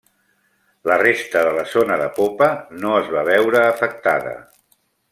La resta de la zona de popa no es va veure afectada.